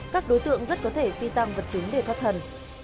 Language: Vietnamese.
các đối tượng rất có thể phi tăng vật chứng để thoát thần